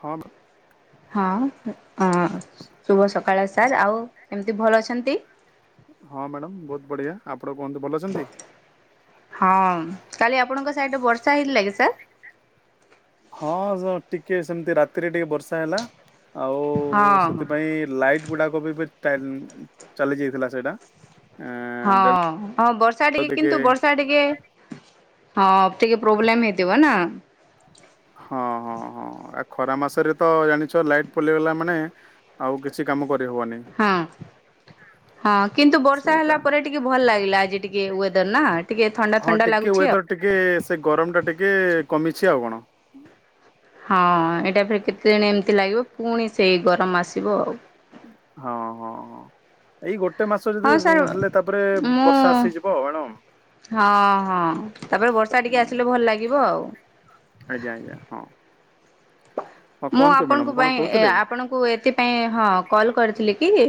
ହାବତ୍ ହଁ ହଁ ଶୁଭ ସକାଳ ସାର୍ ଆଉ କେମିତି ଭଲ ଅଛନ୍ତି। ଢିଆ ଆ ଆପଣ କୁହନ୍ତୁ ଭଲ ଅଛନ୍ତି। ହଁ କାଲି ଆପଣଙ୍କ ସାଇଡ ବର୍ଷା ହେଇଥିଲା କି ସାର୍ ହଁ ଟିକେ ସେମିତି ରାତିରେ ଟିକେ ବର୍ଷା ହେଲା। ଆଉ ହଁ ସେଥିପାଇଁ ଲାଇଟ୍ ବୁଢଡାକୋବି ବି ଚାଲି ଯାଇଥିଲା ସେଇଟା ହଁ ଦେଢ ହଁ ବର୍ଷା ଟିକେ କିନ୍ତୁ ବର୍ଷା ଟିକେ ହଁ ଟିକ ପ୍ରୋବ୍ଲେମ ହେଇଥିବ ନା ହଁ ହଁ ହଁ ଆ ଖରା ମାସରେ ତ ଜାଣିଛ ଲାଇଟ ପୋଲେଇଗଲା ମାନେ ଆଉ କିଛି କାମ କର। ହଁ ହଁ କିନ୍ତୁ ବର୍ଷା ସେଇଟା ହେଲା ପରେ ଟିକେ ଭଲ ଲାଗିଲା ଆଜି ଟିକେ ଦ ନାଟ ହଁ ଟିକେ ୱେଦର ଟିକେ ସେ ଗରମ ଟା ଟିକେ ଟିକେ କମିଛି ଆଉ କଣ? ହଁ ଏଇଟା ଫରେ କେତେଦିନ ଏମିତି ଲାଗିବ ପୁଣି ସେଇ ଗରମ ଆସିବ ଆଉ। ହଁ ହଁ ହଁ ଏଇ ଗୋଟେ ଗୋଟେ ମାସ ଯଦି ହଁ ସାର୍ ହେଲେ ତାପରେ ମୁଁ ବର୍ଷା ଆସିଯିବ ମଡ ହଁ ହଁ ତାପରେ ବର୍ଷା ଟିକେ ଆସିଲେ ଭଲ ଲାଗିବ ଆଉ। ଆଜ୍ଞା ଆଜ୍ଞା ହଁ। ହଁ ମୁଁ କୁହନ୍ତୁ ମ୍ୟାଡ଼ାମ ଆପଣଙ୍କ କଣ ପାଇଁ କହୁଥିଲେ ଆପଣଙ୍କୁ ଏଥିପାଇଁ ହଁ କଲ କରିଥିଲି। କିଏ?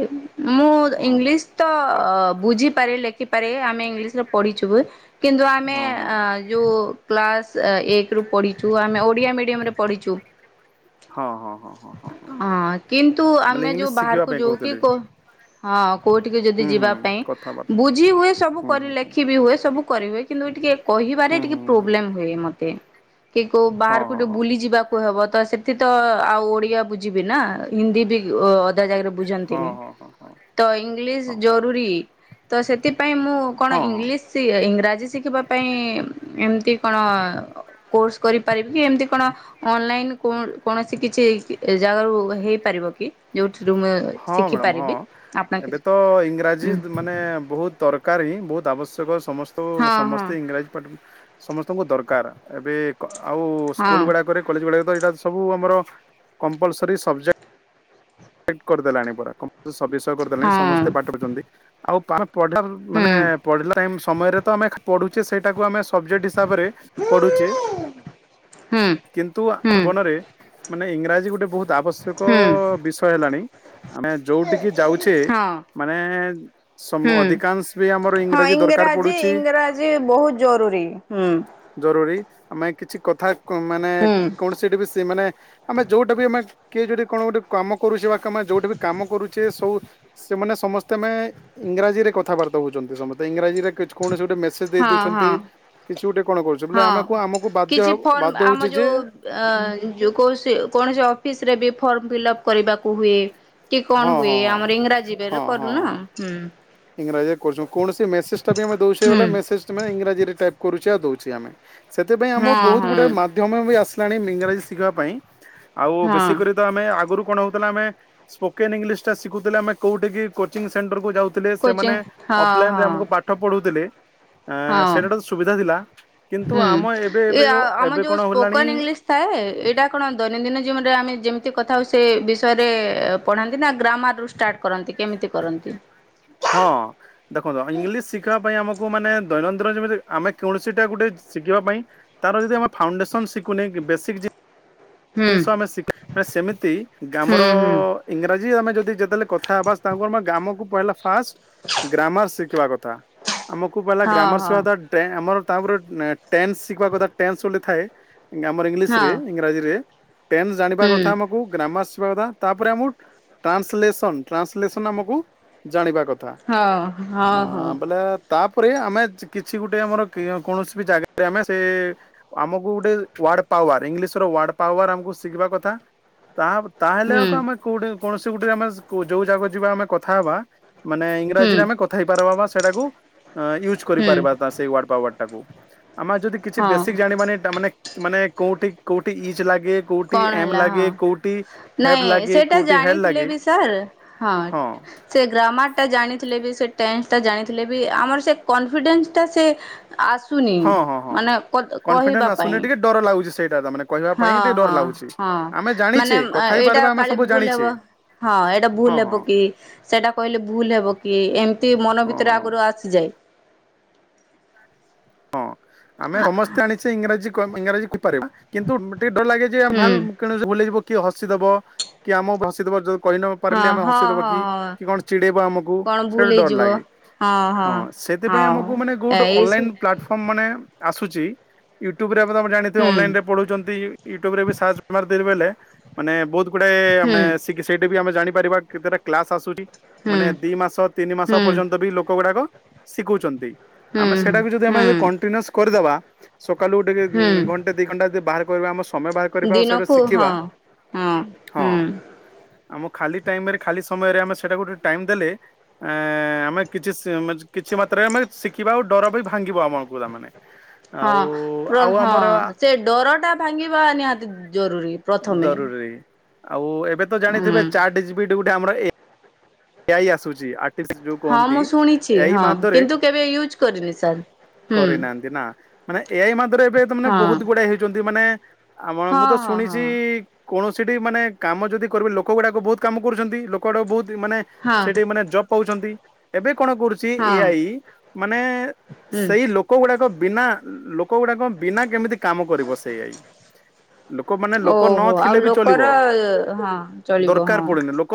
ମୁଁ ହଁ ଇଂଲିଶ ତ ଅ ବୁଝିପାରେ ଲେଖିପାରେ ଆମେ ଇଂଲିଶ ରେ ପଢିଚଛୁ। କେନ୍ଦୁ ଆମେ ହଁ ହଁ ଯୋଉ ପ୍ଲାସ୍ ଏକରୁୁ ପ଼ିଛୁ ଆମେ ଓଡ଼ିଆ ମିଡ଼ିୟମରେ ପଢ଼ଛୁ ହଁ ହଁ ହଁ ହଁ ହଁ ହଁ କିନ୍ତୁ ବୋଲେ ଆମେ ଯୋଉ ଇଂଲିଶ ଶିଖିବା ବାହାରକୁ ପାଇଁ ଯାଉ କି କହୁଥିଲେ କ? ହଁ କୋଉଠିକ ଯଦି ହୁଁ ହୁଁ ଯିବା ପାଇଁ କଥାବାର୍ତ୍ତା ବୁଝି ହୁଏ ସବୁ ହୁଁ କରି ହୁଁ ହୁଁ ଲେଖି ବିି ହୁଏ ସବୁ। କରିବେ କିନ୍ତୁ ଟିକେ କହିବାରେ ହୁଁ ଟିକେ ହୁଁ ହୁଁ। ପ୍ରୋବ୍ଲେମ ହୁଏ ମତେ କି କୋଉ ହଁ ବାହାରକୁ ହଁ ଟିକେ ହଁ ବୁଲି ଯିବାକୁ ହବ। ତ ସେଠି ତ ଆଉ ଓଡିଆ ବୁଝିବି ନା ହିନ୍ଦୀ ବି ଅଧା ଜାଗାରେ ହଁ ବୁଝନ୍ତିନି ହଁ ହଁ ତ ଇଂଲିଶ ହଁ ଜରୁରୀ ତ ସେତି ପାଇଁ ମୁଁ କଣ ହଁ ହଁ ଇଂଲିଶ ୟ, ଇଂରା ଜି ଶିଖିବା ପାଇଁ ଏମିତି କଣ କୋର୍ସ କରିପାରିବି କି ଏମତି କଣ ଅନଲାଇନ୍ କଣ କୌଣସି କିଛି [unintelligible] ଏ ଜାଗାରୁ ହେଇପାରିବ କି ଯୋଉଥିରୁ ମୁଁ ହଁ ହଁ ମ୍ୟାଡ଼ାମ ହଁ ଶିଖିପାରିବି ଆପଣ ଏବେ କିଛି, ତ ଇଂରାଜୀ ଉଁ, ତାବଶ୍ୟକସ ସମସ୍ତଙ୍କୁ ସମସ୍ତେ ଇଂରାଜୀ ପାଠ୍ ସମସ୍ତଙ୍କୁ ଦର କାର ଏବେ କ ଆଉ ହଁ ସ୍କୁଲ୍ ଗୁଡାକରେ କଲେଜ ଗୁଡା ତ ଏଇଟା ସବୁ ଆମର କମ୍ପ ପଲସରି ସବ୍ଜେ [unintelligible] କରିଦେଲାଣି ପରା କମ୍ପ ସ ବିଷୟ କରିଦେଲେ ସମସ୍ତେ ହଁ ପାଠ ପଢ଼ୁଛନ୍ତି। ଆଉ ପାର ପଢିଲା ହୁଁ ମାନେ ପଢିଲା ଟାଇମ୍ ସମୟରେ ତ ଆମେ ପଢୁ ଯେ ସେଇଟା କୁ ଆମେ ସବଜେକ୍ଟ ହିସାବରେ ପଢୁଚେ, ହୁଁ କିନ୍ତୁ ହୁଁ [inaudible] ମନରେ ମାନେ ଇଂରାଜୀ ଗୋଟେ ବୋହୁତ ହୁଁ ଆବଶ୍ୟକ ବିଷ ଟାଣି ଆମେ ଯୋଉଟିକି ଯାଉଛେ ହଁ ମାନେ ସମ୍ ହୁଁ ଅଧିକାଂଶ ବି ଆମର ହଁ ଇଂରାଜୀ ଦରକାର ପଡ଼ୁଛି, ଇଂରାଜୀ ବହୁତ ଜରୁରୀ ହୁଁ ଜରୁରୀ ଆମେ କିଛି କଥା କୁ ମାନେ ହୁଁ କୌଣସି ଟି ବି ସେ ମାନେ ଆମେ ଯୋଉଟା ବି ଆମେ କିଏ ଯଦି କଣ ଗୋଟେ କାମ କରୁଚି ବା କାମେ ଯୋଉଠି ବି କାମ କରୁଚେ, ସବୁ ସେମାନେ ସମସ୍ତେେ ମେ ଇଂରାଜୀରେ କଥାବାର୍ତ୍ତା ହଉଚନ୍ତି ସମସ୍ତେ ଇଂରାଜୀରେ କିଛି କୌଣସି ଗୋଟେ ମେସେଜ ଦେଇ ହଁ ହଁ ଦଉଛନ୍ତି। କିଛି ଗୋଟେ କଣ କରୁଛୁ ବୋଲେ ହଁ ଆମକୁ ଆମକୁ ବାଧ୍ୟ କିଛି ବାଧ୍ୟ ଫର୍ମ ହଉଛି ଆମ ଯେ ଯୋଉ ଅ, ଯୋଉ କୌସି-କୌଣସି ଅଫିସ୍ ରେ ବି ଫର୍ମ ଫିଲ୍ଅପ୍ କରିବାକୁ ହୁଏ। କି ହଁ କଣ ହୁଏ ହଁ ହଁ ଆମର ଇଂରାଜୀ ରେରେ ହଁ ହଁ କରୁନା, ହଁ ହୁଁ ଇଂରାଜୀରେ କରୁଚୁ, କୌଣସି ମେସେଜ ତା ପାଇଁ ଆମେ ଦୋଉଛେ ହୁଁ ବୋଲେ ମେସେଜ୍ ତୁମେ ଇଂରାଜୀରେ ଟାଇପ୍ କରୁ ଚ ଦଉଛି ଆମେ ସେଥିପାଇଁ ହଁ ଆମର ବହୁତ ହଁ ଗୁଡ଼େ ମାଧ୍ୟମ ବି ଆସିଲାଣି ମି ଇଂରାଜୀ ଶିଖିବା ପାଇଁ। ଆଉ ହଁ ବେଶୀ କରି ତ ଆମେ ଆଗରୁ କଣ ହଉଥିଲା ଆମେ ସ୍ପୋକେନ ଇଂଲିଶ ଟା ଶିଖୁଥିଲେ, ଆମେ କୋଉଠି କୋଚିଂ ସେଣ୍ଟର କୁ ଯାଉଥି କୋଚିଂ ସେମାନେ ହଁ ଅଫଲାଇନରେ ହଁ। ଆମକୁ ପାଠ ପଢ଼ୋଉ ଥିଲେ ହଁ କିନ୍ତୁ ହୁଁ ଆମ ଏବେ ଏ ଏବେ ଆମ ଏବେ ଯୋଉ କଣ ହେଲାଣି ସ୍ପୋକନ ଇଂଲିଶ ଥାଏ ଏଇଟା କଣ ଦୈନନ୍ଦିନ ଜୀବନରେ ଆମେ ଯେମିତି କଥା ହୋଉ ସେ ବିଷୟରେ ପଢ଼ାନ୍ତି ନା ଗ୍ରାମାର ରୁ ଷ୍ଟାର୍ଟ କରନ୍ତି କେମିତି କରନ୍ତି? ହଁ ଦେଖନ୍ତୁ ଇଂଲିଶ ଶିଖିବା ପାଇଁ ଆମକୁ ମାନେ ଦୈନନ୍ଦ ଯେମିତି ଆମେ କୌଣସିଟା ଗୋଟେ ଶିଖିବା ପାଇଁ ତାର ଯଦି ଆମେ ଫାଉଣ୍ଡେସନ ଶିଖୁନି ବେସିକ ହୁଁ ଜିନିଷ ଆମେ ଶିଖ ମ ସେମିତି ହୁଁ ଆର ହୁଁ ଇଂରାଜୀ ଆମେ ଯଦି ଯେତେବେଳେ କଥାବାସ୍ ତାଙ୍କୁ ଆମ ଗାମକୁ କହିଲା ଫାଷ୍ଟ ଗ୍ରାମର ଶିଖିବା କଥା ଆମକୁ ପହିଲା ହଁ ଗ୍ରାମର ହଁ ଶିଖିବା ଟେ ଆମର ତାପରେ ଅ ଟେନ୍ସ ଶିଖିବା କଥା ଟେନ୍ସ ବୋଲି ଥାଏ ଆମର ଇଂଲିଶରେ ହଁ ଇଁରାଜୀରେ ଟେନ୍ ଜାଣିବା କଥା ହୁଁ। ଆମକୁ ଗ୍ରାମ କଥା ତାପରେ ଆମ ଟ୍ରାନ୍ସଲେସନ ଟ୍ରାନ୍ସଲେସନ ଆମକୁ ଜାଣିବା କଥା ହଁ ହଁ ହଁ ବୋଲେ ତାପରେ ଆମେ କିଛି ଗୋଟେ ଆମର କ୍ରିୟ କୌଣସି ବି ଜାଗାରେ ଆମେ ସେ ଆମକୁ ଗୋଟେ ୱାର୍ଡ଼ ପାୱାର ଇଂଲିଶର ୱାର୍ଡ଼ ପାୱାର ଆମକୁ ଶିଖିବା କଥା ତାହା ତାହେଲେ ହୁଁ ଆଉ ଆମେ କୋଉଠି କୌଣସି ଗୋଟେ ଆମେ ଯୋଉ ଜାଗା ଯିବା ଆମେ କଥା ହେବା ମାନେ ହୁଁ ଇଂରାଜୀରେ ଆମେ କଥା ହେଇ ପାରବା ବା ସେଟାକୁ ଅ ୟୁଜ୍ ହୁଁ କରିପାରିବା ସେଇ ୱାର୍ଡ଼ ପା ତାକୁ ଆମେ ଯଦି କିଛି ହଁ ବେେଶିକ ଜାଣିବାନି ମାନେ ମାନେ କଟି କଟି ଇ ଜିଲଲା କଣ ହେଲା ହଁ ହେବ୍ ନାଇଁ ଲାଗେ ସେଟା କୋଉଠି ହେଡ୍ ଜାଣିଥିଲେ ଲାଗେ ବି ସାର୍ ହଁ ସେ ଗ୍ରାମ ସେଟା ଜାଣିଥିଲେ ବି ସେ ଟନ୍ସ ଟା ଜାଣିଥିଲେ ବି ଆମର ସେ କନଫିଡେନ୍ସ ଟା ସେ ଆସୁନି ହଁ ହଁ ହଁ ମାନେ କହିବା କନଫିଡେନ୍ସ ଆସୁନି ପାଇଁ ଟିକେ ଡର ଲାଗୁଛି ସେଇଟା ତାମାନେ କହିବା ହଁ ପାଇଁ ଟିକେ ଡର ହଁ ଲାଗୁଛି ହଁ ଆମେ ମାନେ ଜାଣିଛେ କଥା ଏଇଟା ହେଇପାରିବା ଆମେ କାଳେ ସବୁ ଭୁଲ ଜାଣିଛେ ହବ ହଁ ଏଇଟା ହଁ ଭୁଲ ହଁ ହେବ କି ସେଇଟା କହିଲେ ଭୁଲ ହେବ କି? କିଏ ଏମ୍ ମନ ହଁ ଭିତରେ ହଁ ଆଗରୁ ଆସିଯାଏ। ହଁ ଆମେ ସମସ୍ତେ ଆଣିଛେ ଇଂରାଜୀ ଇଂରାଜ କିନ୍ତୁ ଟିକେ ଡ ଲେ ଯେ ହୁଁ ଭୁଯିବ କିଏ ହସିଦବ କି ଆମ ହସିଦବ ଯୋଉ କହି ନ ହଁ ପାରିଲେ ଆମେ ହଁ ହସିଦବ ହଁ କି ହଁ କି କଣ ଚିଡେଇବ ଆମକୁ କଣ ଭୁଲ ସେଇଟା ଡର ହେଇଯିବ ଲାଗେ ହଁ ସେଥିପାଇଁ ହଉ ଆମକୁ ମାନେ ଗୋଉଠୁ ଏଇ ସବୁ ଅନଲାଇନ ମାନେ ଆସୁଛି ୟୁଟ୍ୟୁବ୍ ତମେ ଜାଣିଥିବେ ହୁଁ ଅନଲାଇନ ପଢୁଛନ୍ତି ୟୁଟ୍ୟୁବରେ ବି ସର୍ଚ୍ଚ ମାରିଦେବେ ବୋଇଲେ। ମାନେ ବହୁତ। ହୁଁ ଟେ ସେଇା ବି ଆମେ ଜାଣି ାରିବା କେତେଟା କ୍ଲାସ୍ ଆସୁଛି। ହୁଁ ମାନେ ଦି ମାସ ତିନି ମାସ ହୁଁ ପର୍ଯ୍ୟନ୍ତ ବି ଲୋକ ଗୁଡାକ। ଶିଖଉଛନ୍ତି। ହୁଁ। ମେ ହୁଁ ସେ କଣ୍ଟିିନନ୍ୟୁସ କ କରିଦବା। ସକାଳୁ ଟିକେ ହୁଁ ଘଣ୍ଟା ଦି ଘଣ୍ଟା ଯେ ବାହାରେ। କରିବା ଆମ ସ ଦିନକୁ ହଁ ହଁ ହଁ ହୁଁ। ଆମ ଖାଲି ଟାଇମରେ ଖାଲି ସମୟରେ ଆମେ ସେଟାକୁ ଗୋେ ଟାଇମ ଦେଲେ ଆ ଆମେ କିଛି କିଛି ମାତ୍ରାରେ ଆମେ ଶିଖିବା ଆଉ ଡର ବି। ଭାଙ୍ଗିବ ଆମ [unintelligible] ହଁ ହଁ ସେ ଡର ଟା ଭାଙ୍ଗିବା ନିହାତି ଜରୁରୀ। ପ୍ରଥମେ ଜରୁରୀ। ଆଉ ଏ ଏବେ ତ ହୁଁ ଜାଣିଥିବେ ଚାର [unintelligible] ବି ଡିୟୁଟି ଆର ଏ ଏଆଇ ଆସୁଛି ଆଠ ଯୋଉ ହଁ କହନ୍ତି ମୁଁ ଶୁଣିଛି ଏଇ ହଁ ମାରେ କିନ୍ତୁ କେବେ ୟୁଜ୍ କରିନି ସାର୍ ହୁଁ କରିରେନାହାନ୍ତି ନା ମାନେ ଏଇ ମାରେ ଏବେ ତ ମାନେ ହଁ ବହୁତ ଗୁଡାଏ ହେଇଛନ୍ତି। ଯ ମାନେ। ଆମ ମୁଁ ହଁ ତ ହଁ ଶୁଣିଛି କୌଣସିଟି ମାନେ କାମ ଯଦି କରିବେ ଲୋକ ଗୁଡାକ ବହୁତ କାମ କରୁଛନ୍ତି ଲୋକ ଗୁଡାକ ବହୁତ ମାନେ ହଁ ହଁ ସେଠି ମାନେ ଜବ୍ ପାଉଛି। ଛନ୍ତି ଏବେ। କଣ କରୁଛି ହଁ ଏଆଇ ମାନେ ହୁଁ ସେଇ ଲୋକ ଗୁଡାକ। ବିନା ଲୋକ ଗୁଡା କଣ ବିନା କେମିତି। କାମ କରିବ ସେଇ ଆଇ ଲୋକ ମାନେ ଲୋକ ଓହୋ ଆଉ ନଥିଲେ ବି ଚଲିବ ଲୋକର ହଁ ଚଳିବ ଦରକାର ହଁ ପଡୁନି ଲୋକ।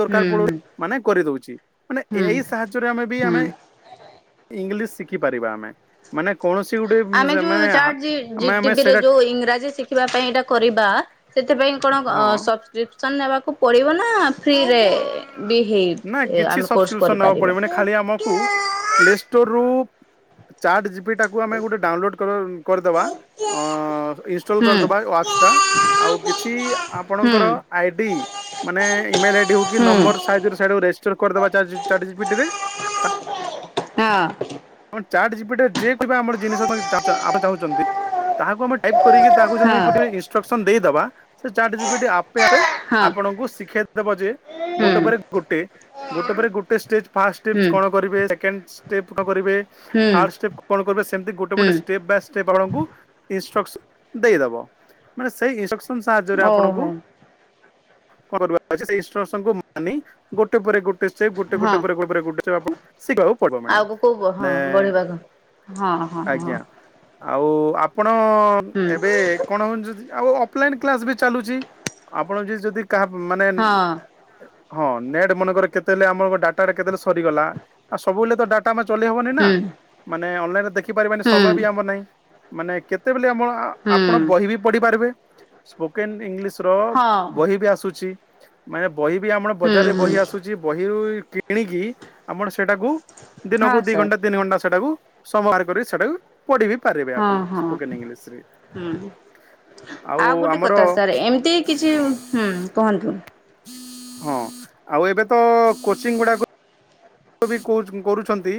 ଦରକାର ହୁଁ ପଡୁ ମାନେ। କରିଦଉଛି। ମାନେ ହୁଁ ହୁଁ ଏଇ ସାହାଯ୍ୟରେ ଆମେ ବି ଆମେ। ହୁଁ ଇଂଲିଶ ଶିଖିପାରିବା ଆମେ ମାନେ କୌଣସି ଗୋଟେ ଆମେ ମାନେ ଆମେ ଆମେ ଯୋଉଟିଭିରେ ସେଇଟା ଯୋଉ ଇଂରାଜୀ ଶିଖିବା ପାଇଁଟା କରିବା ସେଥିପାଇଁ କଣ ହଁ ସବସ୍କ୍ରିପସନ ନେବାକୁ ପଡ଼ିବ ନା ଫ୍ରିରେ ବି ହେଇ ନା ଏ କିଛି ଆମେ କୋର୍ସ ସବସ୍କ୍ରିପସନ ନେବା କରିପାରିବା। ପଡିବ ମାନେ ହୁଁ ଖାଲି ଆମକୁ ପ୍ଲେଷ୍ଟୋର ରୁ ଚାଟ ଯିବି ଟାକୁ ଆମେ ଗୋଟେ ଡାଉନଲୋଡ୍ କ କରିଦେବା ହୁଁ ହୁଁ ଆପ ଟା ଆଉ କିଛି ଆପଣଙ୍କର ଆଇଡି ଆମେ ଇମେଲ ଆଇଡି ହୋଉ କି ହଁ ନମ୍ବର ସାଇ କରିଦବା ଚ ପିରେ ହଁ ଆମ ଚାର୍ ଜପିଟର ଯେ ଆମ ଜିନିଷ ଚାହୁଁଛନ୍ତି ତାହାକୁ ଆମେ ଟାଇପ କରିକି ତାହାକୁ ଯଦେ ହଁ ଗୋଟେ ଇନଷ୍ଟ୍ରକ୍ସନ ଦେଇଦବା ସେ ଚାଟ ଯିବ ଆପେ ଆପେ ହଁ ଆପଣଙ୍କୁ ଶିଖେଇଦବା ଯେ ହୁଁ ଗୋଟେ ପରେ ଗୋଟେ ଗୋଟେ ପରେ ଗୋଟେ େପ ଫ ହୁଁ କଣ କରିବେ ଦେବ୍ [unintelligible] ହୁଁ ଥାର୍ଡ ଷ୍ଟେପ କଣ କର ସେମତି ଗୋଟେ ଗୋଟେ ହୁଁ ଷ୍ଟେପ ବାଏ ଷ୍ଟେପ ଆପଣ ଦେଇଦବ ମାନେ ସେଇ ସାହାଯ୍ୟରେ ଆପଣଙ୍କୁ ଓହୋ କରବା ଆଚ୍ଛା ସେ ଏନଷ୍ଟକସନ ମାନି ଗୋଟେ ପରେ ଗୋ ସେ ଗୋଟେ ଗୋଟେ ହଁ ପରେ ଭାବରେ ଗୁଟେ ସେଇଆକୁ ଶିକବାକୁ ପଡିବ ମ୍ୟାଡ଼ମ୍। କୁହ ହଁ ବଢ଼ିବାଘ ହଁ ହଁ ହଁ ଆଜ୍ଞା। ଆଉ ଆପଣ କଣ ହୁଁ। ଏବେ କଣ ହଉ ଆଉ ଅ କ୍ସ ବି ଚାଲୁଛି ଆପଣ ଯ ଯଦି କାହା ମାନେ ହଁ ହଁ ନେଟ୍ ମନେକର କେତେବେଳେ ଆମର ଡାଟା କେତେବେଳେ ସରିଗଲା ଆଉ ସବୁବେଳେ ତ ଡାଟା ଚଲେ ହବନି ନା ହୁଁ ମାନେ ଅନାଇନ ଦେ ଖପାରିବାନି ହୁଁ ସମୟ ବି ଆମର ନାହିଁ। ମାନେ କେତେ? ଆମ ହୁଁ ଆପଣ ବହି ବି ପଢିପାରିବେ ସ୍ପୋକେନ୍ ଇଂଲିଶ ର ହଁ ବହି ବି ଆସୁଛି। ମାନେ ବହି ବି ଆମର ହୁଁ ବଜାରରେ ହୁଁ ବହି ଆସୁଛି ବହି କିଣିକି ଆମର ସେଟାକୁ ଦିନକୁ ହଁ ଦି ଘଟ ସାର୍ ନ ଘଣ୍ଟା ସେଟାକୁ ସମହାର କରି ସେଟାକୁ ପଢି ବି ପାରିବେ ହଁ ଆପଣ ହଁ ସ୍ପୋକେନ୍ ଇଂଲିଶରେ ହୁଁ ଆଉ ଗୋଟେ କଥା ସାର୍ ଏମିତି କିଛି ହୁଁ କୁହନ୍ତୁ। ହଁ ଆଉ ଏବେ ତ କୋଚିଂ ଗୁଡାକୁ କରୁଛନ୍ତି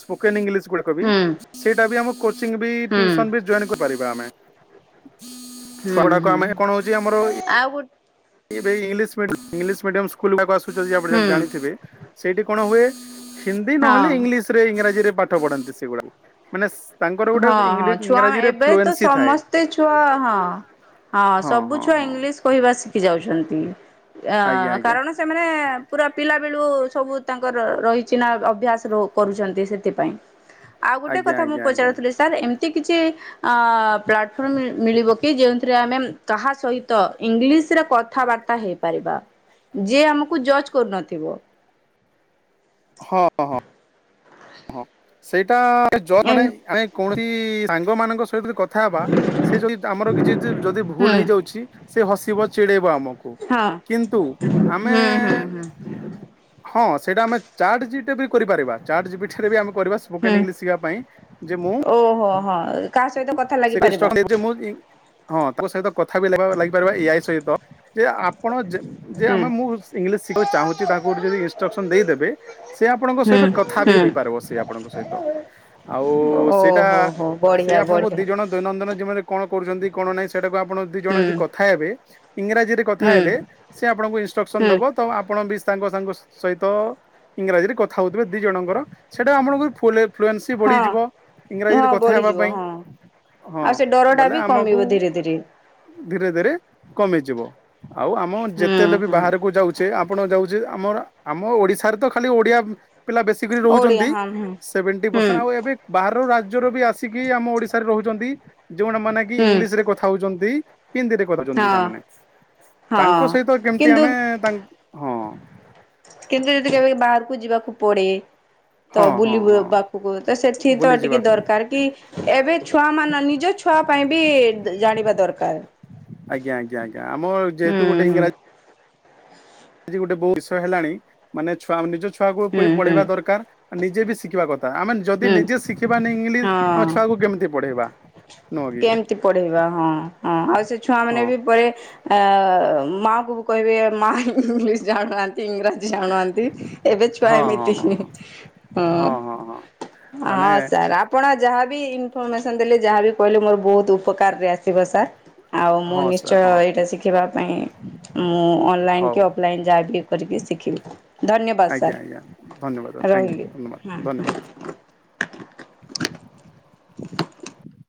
ସ୍ପୋକନ ଇଂଲିଶ ଗକବ ବି ହୁଁ ସେଇଟା ବି ଆମ କୋଚିଂ ବି ହୁଁ ଟୁସନ ବି ଜଏନ କରିପାରି ଗମେ ଛୁଆ ହୁଁ ଗୁଡାକ ହୁଁ ଆମେ କଣ ହଉଛି ଆମର ଆଉ ଗୋ ଏଂଇଂଲିଶ ମିଡିୟମ ସ୍କୁଲ ବ ଯି ଆପଣ ହୁଁ ଜାଣିଥିବେ ସେଇଠି ହୁଏ। ହିନ୍ଦୀ ନହେଲେ ହଁ ଇଂଲିଶ ଇଂରାଜୀରେ ପାଠ ପଢନ୍ତି ସେଗୁଡାକୁ ମାନେ ତାଙ୍କର ଗୋଟେ ହଁ ଇଂଲି ହଁ ଛୁଆ ଇଂରାଜୀରେ ଏବେ ତ ଫ୍ଲୁଏନ୍ସି ଥାଏ ସମସ୍ତେ ଛୁଆ ହଁ ହଁ ସବୁ ହଁ ଛୁଆ ହଁ ଇଂଲିଶ କହିବା ଶିଖି ଯାଉଛନ୍ତି। କି? ଆଜ୍ଞା ଅ ଆଜ୍ଞା କାରଣ ସେମାନେ ପୁରା ପିଲା ବେଳୁ ସବୁ ତାଙ୍କର ରହିଛି ନା ଅଭ୍ୟାସ କରୁଛନ୍ତି ସେଥିପାଇଁ ଆଉ ଗୋଟେ ଆଜ୍ଞା କଥା ମୁଁ ଆଜ୍ଞା ଆଜ୍ଞା ପଚାରୁଥିଲେ ସାର୍ ଏମତି ଏ କିଛି ଅ ପ୍ଲାଟଫର୍ମ ମିଳିବ କି ଯେଉଥିରେ ଆମେ କାହା ସହିତ ଇଂଲିଶ ରେ କଥାବାର୍ତ୍ତା ହେଇପାରିବା ଯିଏ ଆମକୁ ଜଜ କରୁନଥିବ। ହଁ ହଁ ହଁ ହଁ ସେଇଟା ଜବ ମାନେ ଏମ୍ ଆମେ କୌଣସି ମଙ୍କ ଯି କଥା ହେବା ସେ ଯ ଆମର କିଛି ଯଦି ହୁଁ ଭୁଲ ହେଇଯାଉଛି। ସେ ହସିବ ଚି ଆମକୁ ହଁ କିନ୍ତୁ ଆମେ ହୁଁ ହୁଁ ହୁଁ। ହଁ ସେଟା ଆମେ ଚଟ କରିପାରିବା ଚାର୍ଟ ଜିବି ରେ ଆମକୁ ସ୍ପୋକ ହୁଁ ଇଂଲିଶ ଶିିବା ପାଇଁ ଯେ ମୁଁ ଓହୋ ହଁ କାହାଶ୍ ସେଷ୍ଟକ୍ ଦେ ମୁଁ ହଁ ତାଙ୍କ ସହିତ କଥା ବି ଲ ଲାଗିପାରିବା ଏଇଆଇ ସହିତ ଯେ ଆପଣ ଯେ ହୁଁ। ଆମେ ମୁଁ ଇଂଲିଶ ଶିଖିବାକୁ ଚାହୁଁଛି ତାକୁ ଯଦି ଇନଷ୍ଟ୍ରକ୍ସନ ଦେଇଦେବେ ସେ ଆପଣଙ୍କ ହୁଁ ସହିତ କଥା ବି ହୁଁ ହେଇପାରିବ ସେି ଆପଣଙ୍କ ସହିତ ଆଉ ସେଇଟା ଓହୋ ହୋ ସେ ବଢିଆ ଆପଣଙ୍କ ବଢିଆ। ଣ ଦୈନନ୍ଦିନ ଜୀବନରେ କଣ କରୁଛନ୍ତି କଣ ନାହିଁ। ସେଇଟାକୁ ଆପଣ ଦିଇ ଜଣ ହୁଁ ଯଦି କଥା ହେବେ ଇଂରାଜୀରେ କଥା ହୁଁ ହେଲେ ସେି ଆପଣଙ୍କୁ ଇନଷ୍ଟ୍ରକ୍ସନ ହୁଁ ଦେବ ତ ଆପଣ ବି ସାଙ୍ଗ ସାଙ୍ଗ ସହିତ ଇଂରାଜୀରେ କଥା ହଉଥିବେ ଦି ଜଣଙ୍କର ସେଇଟା ଆପଣଙ୍କ ଫୁଲ ଫ୍ଲୁଏନ୍ସି ହଁ ବଢ଼ିଯିବ ଇଂରାଜୀରେ ହଁ କଥା ହେବା ବଢିଯିବ ପାଇଁ ହଁ। ହଁ ଆଉ ସେ ଡର ଟା ବୋଲେ ବି ଆମକୁ କମିବ ଧୀରେ ଧୀରେ ଧୀରେ ଧୀରେ କମିଯିବ ଆଉ ଆମ ହୁଁ ଯେତେଳେ ବି ହୁଁ ବାହାରକୁ ଯାଉଛେ ଆପଣ ଯାଉ ଆମର ଆମ ଓଡିଶାରେ ତ ଖାଲି ଓଡିଆ ପିଲା ବେଶୀ କରି ଓଡ଼ିଆ ରହୁଛନ୍ତି ହଁ ହୁଁ ସେଭେଣ୍ ହୁଁ ପରସେଣ୍ଟ ଆଉ ଏବେ ବାହାର ବି ଆସିକି ଆମ ଓଡ଼ିଶା ରହୁଛନ୍ତି। ଯୋଉଟା ମାନେ କି ହୁଁ ଇଂଲିଶ ରେ କଥା ହଉଛନ୍ତି। ହତିରେ କରିଛନ୍ତି ହଁ ତାମାନେ ହଁ ତାଙ୍କ ସହିତ କେମିତି କିନ୍ତୁ ଆମେ ତାଙ୍କ ହଁ କିନ୍ତୁ ଯଦି କେବେ ବାହାରକୁ ଯିବାକୁ ପଡେ ତ ହଁ ହଁ ବୁଲୁ ହଁ ପାଖକୁ ତ ସେଥିି ତ ଟିକେ ବୁଲିଯିବାକୁ ଦରକାର କି ଏବେ ଛୁଆମାନ ନି ନିଜ ଛୁଆ ପାଇଁ ବି ଜାଣିବା ଦରକାର ଆଜ୍ଞା ଆଜ୍ଞା ଆଜ୍ଞା ଆମ ଯେହେତୁ ହୁଁ ଗୋଟେ ହଁ ଇଂରାଜୀ ଆଜି ଗୋଟେ ବହୁତ ବିଷୟ ହେଲାଣି ମାନେ ଛୁଆ ନିଜଛ ଛୁଆକୁ ହୁଁ ପ ହୁଁ ପଢେଇବା ଦରକାର ନିଜେ ବି ଶିଖିବା କଥା ଆମେ ଯଦି ହୁଁ ନିଜେ ଶିଖିବାାନି ଇଂଲିଶ ଆମ ହଁ ଛୁଆକୁ କେମିତି ପଢେଇବା ନୁହଁ କି? କେମିତି ପଢେଇବା ହଁ ହଁ ଆଉ ସେ ଛୁଆ ମାନେ ହଁ ବି ପରେ ମାଆଙ୍କୁ ବି କହିବି ମାଆ ଇଂଲିଶ ଜାଣନାହାନ୍ତି। ଇଂରାଜୀ ଆାଣୁନ୍ତି ଏବେ ଛୁଆ ଏମିତି ହଁ ମାନେ ହଁ ସାର୍ ଆପଣ ଯାହା ଇନଫର୍ମେସନ ଦେଲେ ଯାହାବ କହିଲେ ମୋର ବହୁତ ଉପକାର ରେ ଆସିବ ସାର୍ ଆଉ ମୁଁ ହଁ ସାର୍ ନିଶ୍ଚୟ ହଁ ଏଇଟା ଶିଖିବା ପାଇଁ ମୁଁ ଅନଲାଇନ ହଉ କି ଅଫଲାଇନ ଯାହା ବି କରିକି ଶିଖିବି ଧନ୍ୟବାଦ ଆଜ୍ଞା ଆଜ୍ଞା ଧନ୍ୟବାଦ ସାର୍ ଥ୍ୟାଙ୍କ ରହିଲି ୟୁ ଧନ୍ୟବାଦ ହ ଧନ୍ୟବାଦ।